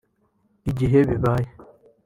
Igihe bibaye